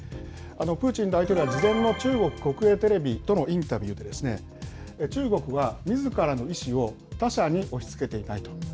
プーチン大統領は事前の中国国営テレビとのインタビューで、中国はみずからの意思を他者に押しつけていないと。